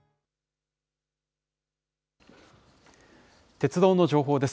鉄道の情報です。